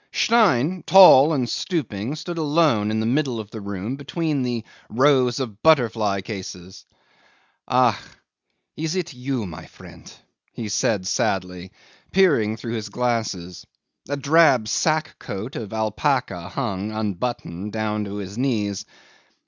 'Stein, tall and stooping, stood alone in the middle of the room between the rows of butterfly cases. "Ach! is it you, my friend?" he said sadly, peering through his glasses. A drab sack coat of alpaca hung, unbuttoned, down to his knees.